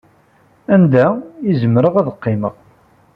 Anda i zemreɣ ad qqimeɣ?